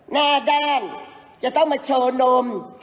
หน้าด้านจะต้องมาโชว์นม